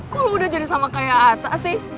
kok lo udah jadi sama kayak ata sih